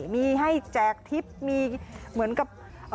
มีให้แจกทิพย์มีเหมือนกับ